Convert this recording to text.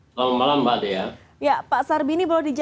selamat malam mbak dea